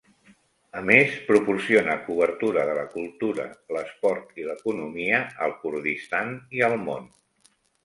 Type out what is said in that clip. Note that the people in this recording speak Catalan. A més, proporciona cobertura de la cultura, l'esport i l'economia al Kurdistan i al món.